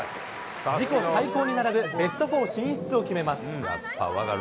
自己最高に並ぶベスト４進出を決めます。